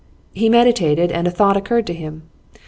He meditated, and a thought occurred to him.